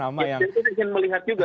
ya saya ingin melihat juga